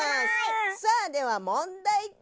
さあでは問題だ